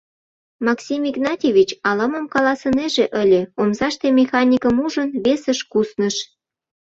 Максим Игнатьевич ала-мом каласынеже ыле, омсаште механикым ужын, весыш кусныш.